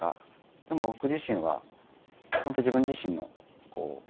でも僕自身は本当に自分自身の評価